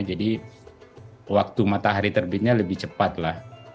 jadi waktu matahari terbitnya lebih cepat lah